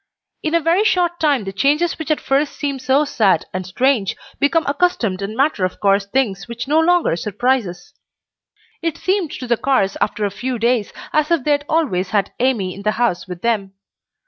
In a very short time the changes which at first seem so sad and strange become accustomed and matter of course things which no longer surprise us. It seemed to the Carrs after a few days as if they had always had Amy in the house with them.